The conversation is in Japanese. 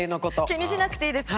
気にしなくていいですか。